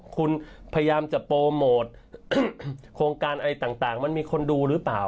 คุณพยายามจะโปรโมทโครงการอะไรต่างมันมีคนดูหรือเปล่า